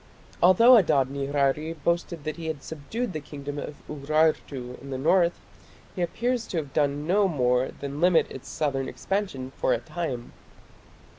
Although Adad nirari boasted that he had subdued the kingdom of Urartu in the north, he appears to have done no more than limit its southern expansion for a time.